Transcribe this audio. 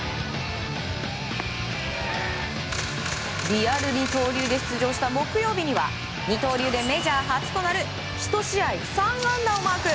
リアル二刀流で出場した木曜日には二刀流でメジャー初となる１試合３安打をマーク。